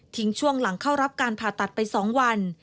ช่วงหลังเข้ารับการผ่าตัดไป๒วัน